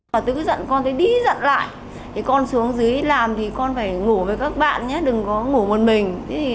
mà tôi cứ dặn con tới đi dặn lại thì con xuống dưới làm thì con phải ngủ với các bạn nhé đừng có ngủ một mình